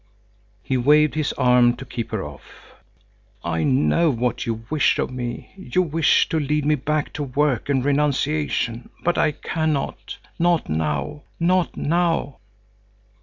He waved his arm to keep her off. "I know what you wish of me. You wish to lead me back to work and renunciation, but I cannot. Not now, not now!"